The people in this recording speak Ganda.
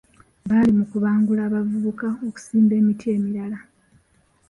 Bali mu kubangula bavubuka okusimba emiti emirala.